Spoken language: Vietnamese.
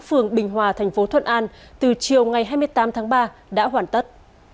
phường bình hòa thành phố thuận an từ chiều ngày hai mươi tám tháng ba đã hoàn tất